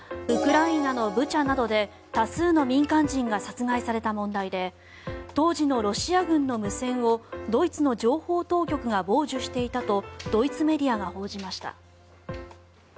ウクライナのブチャなどで多数の民間人が殺害された問題で当時のロシア軍の無線をドイツの情報当局が傍受していたとドイツメディアが報じました。